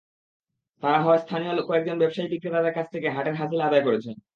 তাঁর হয়ে স্থানীয় কয়েকজন ব্যবসায়ী বিক্রেতাদের কাছ থেকে হাটের হাসিল আদায় করছেন।